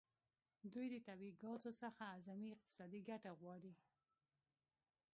دوی د طبیعي ګازو څخه اعظمي اقتصادي ګټه غواړي